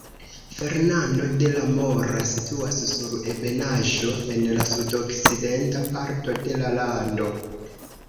Fernando de la Mora situas sur ebenaĵo en la sudokcidenta parto de la lando.